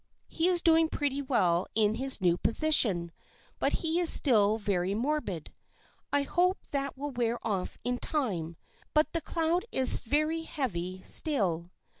He is doing pretty well in his new position, but he is still very morbid. I hope that will wear off in time, but the cloud is very heavy still.